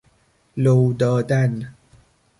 لودادن